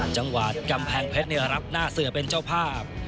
จังหวัดกำแพงเพชรรับหน้าเสือเป็นเจ้าภาพ